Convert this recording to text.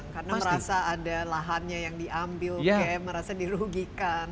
karena merasa ada lahannya yang diambil merasa dirugikan